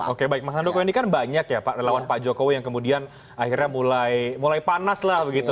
oke baik mas handoko ini kan banyak ya pak relawan pak jokowi yang kemudian akhirnya mulai panas lah begitu